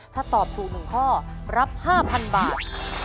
ถ้าตอบถูก๑ข้อรับ๕๐๐๐บาท